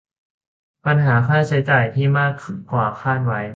ปัญหาค่าใช้จ่ายที่มากกว่าคาดไว้